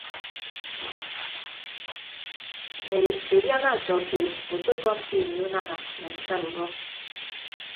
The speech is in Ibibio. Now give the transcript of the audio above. Mme edidiana ọtọ keed ekpekọm ke ini unana mme nsat ubọk.